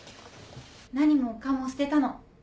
何もかも捨てたの。